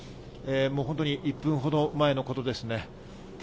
もう本当に１分前のことですね。